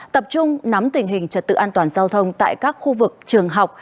tập trung nắm tình hình trật tự an toàn giao thông tại các khu vực trường học